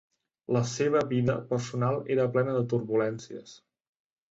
La seva vida personal era plena de turbulències.